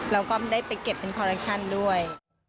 เราก็ได้ไปเก็บเป็นคอลเลคชั่นด้วย